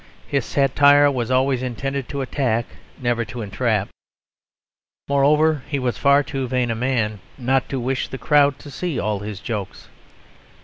His satire was always intended to attack, never to entrap; moreover, he was far too vain a man not to wish the crowd to see all his jokes.